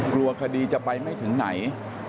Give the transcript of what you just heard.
กลัวคดีจะไปไม่ถึงไหน